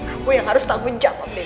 aku yang harus tanggung jawab